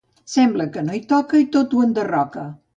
Sembla que no hi toca i tot ho enderroca.